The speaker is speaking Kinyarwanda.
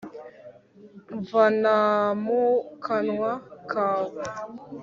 nva na mu kanwa kawe